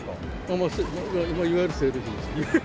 まあ、いわゆるセール品。